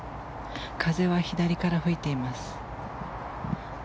風は左から吹いています。